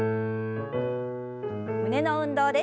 胸の運動です。